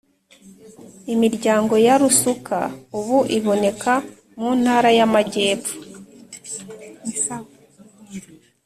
Imiryango ya Rusuka ubu iboneka mu Ntara y’ Amajyepfo